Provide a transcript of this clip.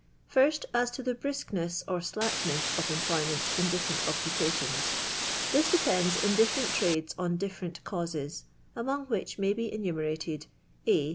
Pint, as to the briskness er slackaets of en pioynient in difierent occupations. This depends in different tcmdes on difierent flrases^mmong wbieh may be enumerated — A.